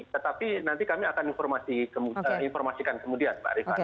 tetapi nanti kami akan informasikan kemudian pak rifana